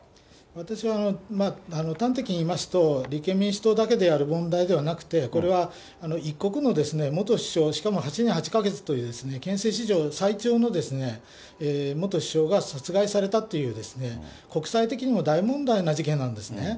私は端的に言いますと、立憲民主党だけでやる問題ではなくて、これは一国の元首相、しかも８年８か月という、憲政史上最長の元首相が殺害されたという、国際的にも大問題な事件なんですね。